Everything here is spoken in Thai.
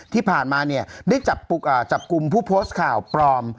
ที่ผ่านมาได้จับกุมผู้โพสต์ข่าวปลอม